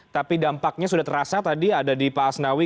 tapi dampaknya sudah terasa tadi ada di pak asnawi